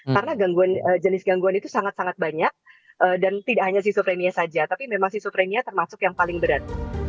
karena jenis gangguan itu sangat sangat banyak dan tidak hanya skizofrenia saja tapi memang skizofrenia termasuk yang paling berat